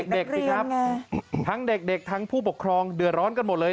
สิครับทั้งเด็กทั้งผู้ปกครองเดือดร้อนกันหมดเลย